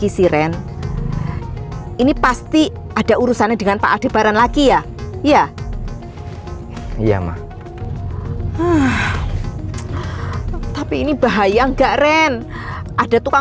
ini saya hanya mau sisters